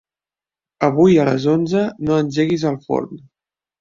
Avui a les onze no engeguis el forn.